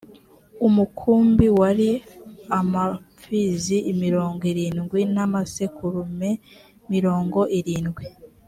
umukumbi wari amapfizi mirongo irindwi n’amasekurume mirongo irindwi